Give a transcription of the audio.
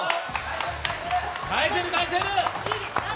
返せる、返せる！